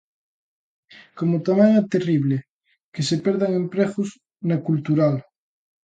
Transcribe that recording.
Como tamén é terrible que se perdan empregos na cultural.